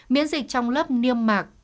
miễn dịch trong lớp niêm mạc